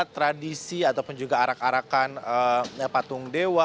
tradisi ataupun juga arak arakan patung dewa